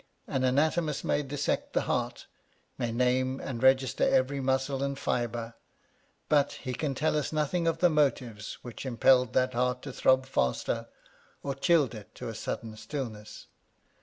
An anatomist may dissect the heart, may name and register every muscle and fibre, — but he can tell us nothing of the motives which impelled that heart to throb faster, or chilled it to a 55 Curiosities of Olden Times sudden stillness.